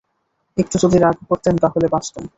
একটু যদি রাগও করতেন তা হলেও বাঁচতুম।